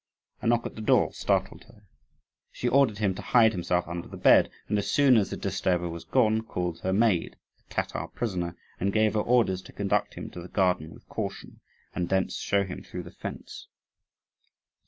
A knock at the door startled her. She ordered him to hide himself under the bed, and, as soon as the disturber was gone, called her maid, a Tatar prisoner, and gave her orders to conduct him to the garden with caution, and thence show him through the fence.